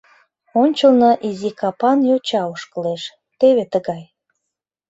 Ончылно изи капан йоча ошкылеш, теве тыгай...